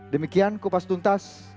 demikian kupas tuntas